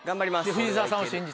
藤澤さんを信じて。